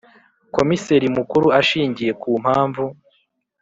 Komiseri Mukuru ashingiye ku mpamvu